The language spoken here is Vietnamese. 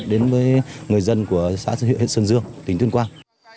đến với người dân của xã huyện sơn dương tỉnh thuyền quang